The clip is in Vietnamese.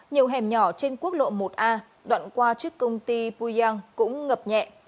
nhiều hẻm nhỏ trên quốc lộ một a đoạn qua trước công ty puyang cũng ngập nhẹ